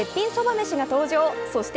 めしが登場、そして